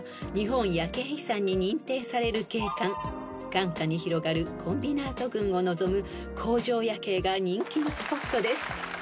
［眼下に広がるコンビナート群を望む工場夜景が人気のスポットです］